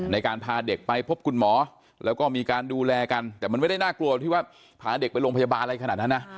ในการพาเด็กไปพบคุณหมอแล้วก็มีการดูแลกันแต่มันไม่ได้น่ากลัวที่ว่าพาเด็กไปโรงพยาบาลอะไรขนาดนั้นนะ